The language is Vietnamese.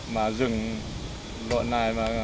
mà rừng độ này